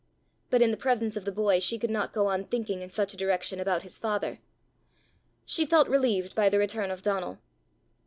But in the presence of the boy she could not go on thinking in such a direction about his father. She felt relieved by the return of Donal.